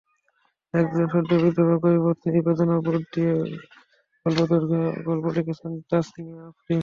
একজন সদ্য বিধবা কবিপত্নীর বেদনাবোধ নিয়ে স্বল্পদৈর্ঘ্যটির গল্প লিখেছেন তাসমিয়াহ্ আফরিন।